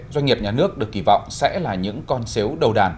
doanh nghiệp nhà nước được kỳ vọng sẽ là những con xếu đầu đàn